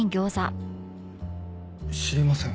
知りません。